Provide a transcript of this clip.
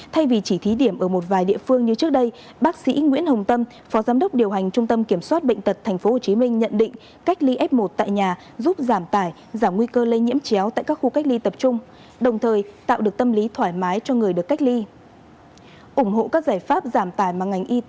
thay vì chỉ thí điểm ở một vài địa phương như trước đây bác sĩ nguyễn hồng tâm phó giám đốc điều hành trung tâm kiểm soát bệnh tật tp hcm nhận định cách ly f một tại nhà giúp giảm tải giảm nguy cơ lây nhiễm chéo tại các khu cách ly tập trung đồng thời tạo được tâm lý thoải mái cho người được cách ly